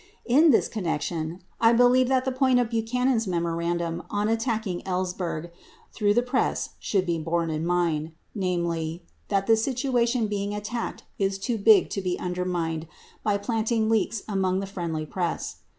In this connection, I believe that the point of Buchanan's memorandum on at tacking Ellsberg through the press should be borne in mind ; namely, that the situation being attacked is too big to be undermined by planted leaks among the friendly press.